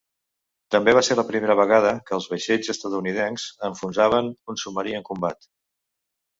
També va ser la primera vegada que els vaixells estatunidencs enfonsaven un submarí en combat.